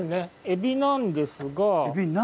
エビなんですが？